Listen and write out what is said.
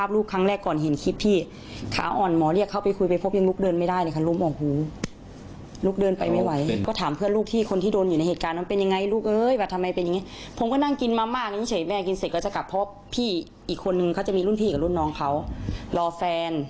และอีกคนนึงเขาจะต้องมาส่งไอเชียที่บ้าน